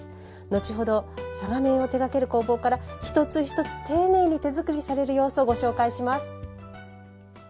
後ほど嵯峨面を手がける工房から一つ一つ、丁寧に手作りされる様子をご紹介します。